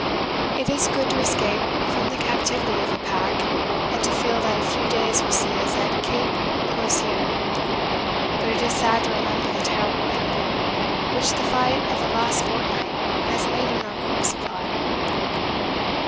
It is [good] to escape from the captivity of the pack and to feel that a few days will see us at Cape Crozier, but it is sad to remember the terrible inroad which the fight of the last fortnight has made on our coal supply.